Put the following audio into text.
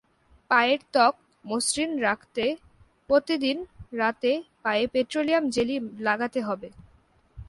পায়ের ত্বক মসৃণ রাখতে প্রতিদিন রাতে পায়ে পেট্রেলিয়াম জেলি লাগাতে হবে।